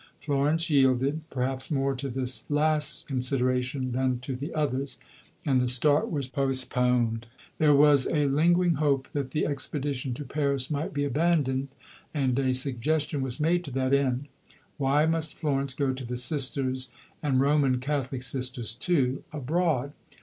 Florence yielded, perhaps more to this last consideration than to the others, and the start was postponed. There was a lingering hope that the expedition to Paris might be abandoned, and a suggestion was made to that end. Why must Florence go to the Sisters, and Roman Catholic Sisters, too abroad?